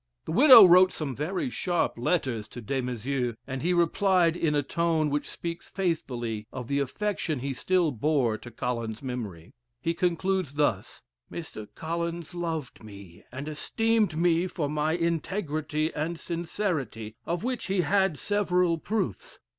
The widow wrote some very sharp letters to Des Maizeaux, and he replied in a tone which speaks faithfully of the affection he still bore to Collins's memory. He concludes thus: "Mr. Collins loved me and esteemed me for my integrity and sincerity, of which he had several proofs.